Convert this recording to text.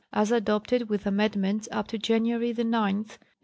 AS ADOPTED WITH AMENDMENTS UP TO JANUARY 9, 1891.